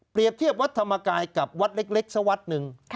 เปรียบเทียบวัดธรรมกายกับวัดเล็กสวัสดิ์หนึ่ง